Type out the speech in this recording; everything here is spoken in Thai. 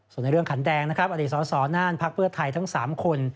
ส่วนในเรื่องขันแดงนะครับอสนพททั้ง๓คน